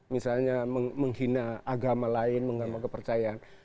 misalnya menghina agama lain menggambar kepercayaan